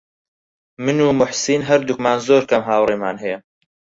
من و موحسین هەردووکمان زۆر کەم هاوڕێمان هەیە.